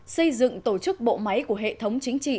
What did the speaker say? xây dựng tổ chức bộ máy của hệ thống chính trị